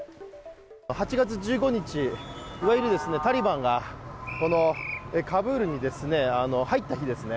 ８月１５日、タリバンがカブールに入った日ですね